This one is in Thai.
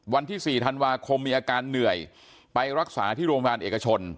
วันที่๔ธันวาคมมีอาการเหนื่อยไปรักษาที่โรงพยาบาลเอกชน